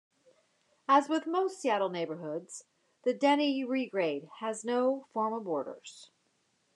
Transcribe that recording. As with most Seattle neighborhoods, the Denny Regrade has no formal borders.